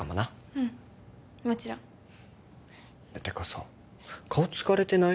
うんもちろんてかさ顔疲れてない？